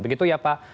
begitu ya pak